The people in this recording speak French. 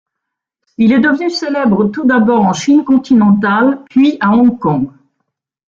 Il est devenu célèbre tout d'abord en Chine continentale, puis à Hong Kong.